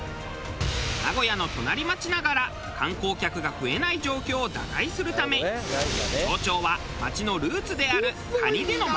名古屋の隣町ながら観光客が増えない状況を打開するため町長は町のルーツである蟹での町おこしを決意。